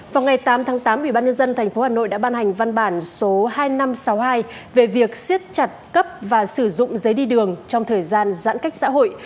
vào ngày tám tháng tám ubnd tp hà nội đã ban hành văn bản số hai nghìn năm trăm sáu mươi hai về việc siết chặt cấp và sử dụng giấy đi đường trong thời gian giãn cách xã hội